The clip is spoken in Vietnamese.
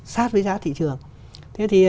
sát với giá thị trường thế thì